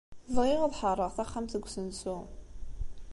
Bɣiɣ ad ḥeṛṛeɣ taxxamt deg usensu.